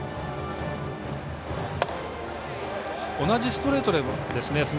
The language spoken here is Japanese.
同じストレートですね。